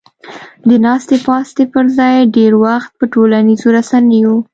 د ناستې پاستې پر ځای ډېر وخت په ټولنیزو رسنیو